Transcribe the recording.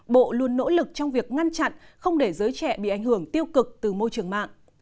bộ luôn nỗ lực trong việc ngăn chặn không để giới trẻ bị ảnh hưởng tiêu cực từ môi trường mạng